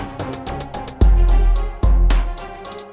aku yakin dia pasti shock banget sekarang